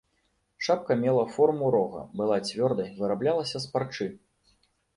Шапка мела форму рога, была цвёрдай, выраблялася з парчы.